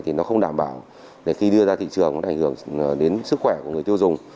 thì nó không đảm bảo để khi đưa ra thị trường nó ảnh hưởng đến sức khỏe của người tiêu dùng